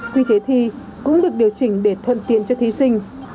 quy chế thi cũng được điều chỉnh để thuận tiện cho thí sinh